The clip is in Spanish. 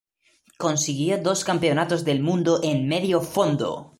Consiguió dos Campeonatos del mundo en Medio Fondo.